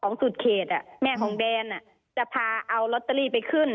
สุดเขตแม่ของแดนจะพาเอาลอตเตอรี่ไปขึ้น